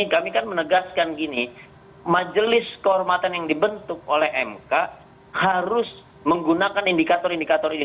kami kan menegaskan gini majelis kehormatan yang dibentuk oleh mk harus menggunakan indikator indikator ini